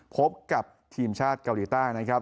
พบกับทีมชาติเกาหลีใต้นะครับ